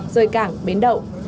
rời cảng bến đậu